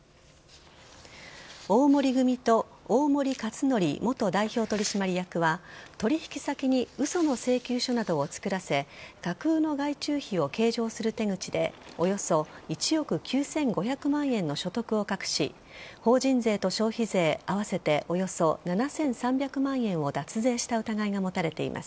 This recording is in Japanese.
大森組と大森克典元代表取締役は取引先に嘘の請求書などを作らせ架空の外注費を計上する手口でおよそ１億９５００万円の所得を隠し法人税と消費税合わせておよそ７３００万円を脱税した疑いが持たれています。